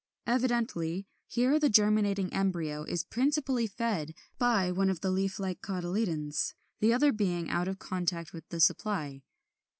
Evidently here the germinating embryo is principally fed by one of the leaf like cotyledons, the other being out of contact with the supply.